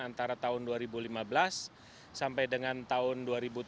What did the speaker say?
antara tahun dua ribu lima belas sampai dengan tahun dua ribu tujuh belas